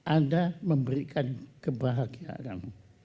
anda memberikan kebahagiaan